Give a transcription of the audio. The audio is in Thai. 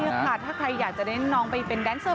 นี่ค่ะถ้าใครอยากจะเน้นน้องไปเป็นแดนเซอร์